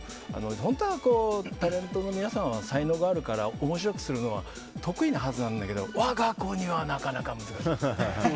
本当はタレントの皆さんは才能があるから、面白くするのは得意なはずなんだけど我が子には、なかなか難しい。